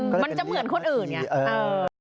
มันจะเหมือนคนอื่นไง